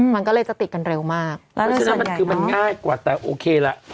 มันก็เลยจะติดกันเร็วมากแล้วด้วยส่วนใหญ่เนอะมันคือมันง่ายกว่าแต่โอเคละ